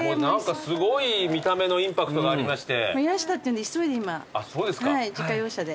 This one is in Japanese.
すごい見た目のインパクトがありまして。